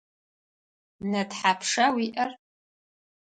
Нэ тхьапша уиӏэр?